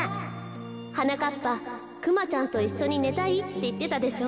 はなかっぱクマちゃんといっしょにねたいっていってたでしょ。